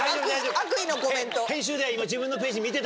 悪意のコメント。